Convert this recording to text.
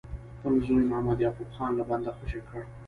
خپل زوی محمد یعقوب خان له بنده خوشي کړي.